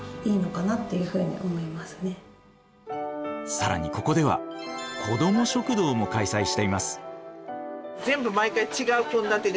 更にここでは子ども食堂も開催しています。